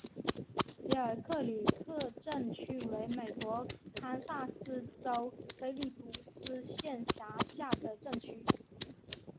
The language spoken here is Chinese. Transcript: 迪尔克里克镇区为美国堪萨斯州菲利普斯县辖下的镇区。